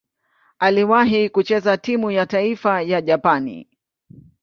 Aliwahi kucheza timu ya taifa ya Japani.